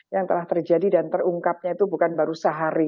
yang telah terjadi dan terungkapnya itu bukan baru sehari